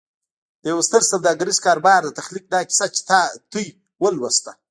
د يوه ستر سوداګريز کاروبار د تخليق دا کيسه چې تاسې ولوسته.